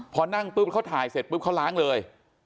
พอนั่งปุ๊บเขาถ่ายเสร็จปุ๊บเขาล้างเลย